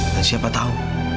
dan siapa tahu